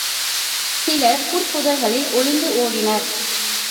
சிலர் புற்புதர்களில் ஒளிந்து ஓடினர்.